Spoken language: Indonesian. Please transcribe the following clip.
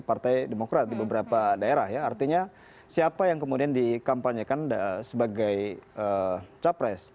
partai demokrat di beberapa daerah ya artinya siapa yang kemudian dikampanyekan sebagai capres